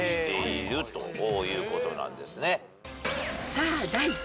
［さあ］